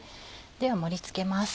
では盛り付けます。